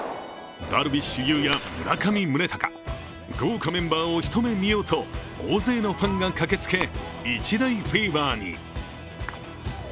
ダルビッシュ有や村上宗隆、豪華メンバーを一目見ようと大勢のファンが駆けつけ、一大フィーバーに。